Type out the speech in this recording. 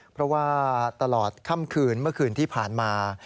เพราะว่าตลอดค่ำคืนเมื่อคืนที่ผ่านมา